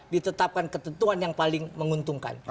ditetapkan ketentuan yang paling menguntungkan